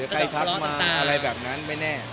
ใส่วิทัศน์อะไรแบบนั้นไม่แน่